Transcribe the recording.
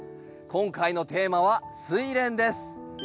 今回のテーマはスイレンです。